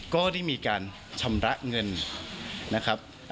ก็ได้มีการชำระเงินนะครับ